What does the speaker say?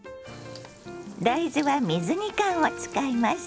大豆は水煮缶を使います。